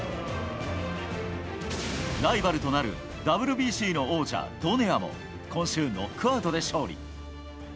ライバルとなるＷＢＣの王者ドネアも今週ノックアウトで勝利。